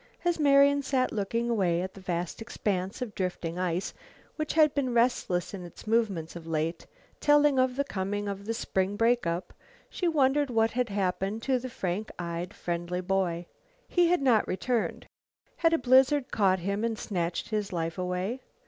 As Marian sat looking away at the vast expanse of drifting ice which had been restless in its movements of late, telling of the coming of the spring break up, she wondered what had happened to the frank eyed, friendly boy. He had not returned. Had a blizzard caught him and snatched his life away?